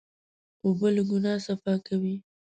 اوبه له ګناه صفا کوي.